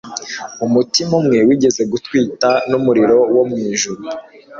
Umutima umwe wigeze gutwita numuriro wo mwijuru;